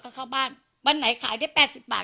ก็เข้าบ้านวันไหนขายได้๘๐บาท